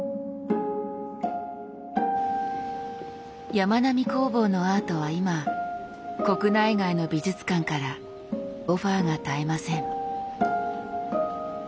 やまなみ工房のアートは今国内外の美術館からオファーが絶えません。